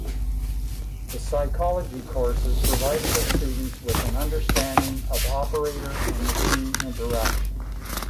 The psychology courses provided the students with an understanding of operator and machine interaction.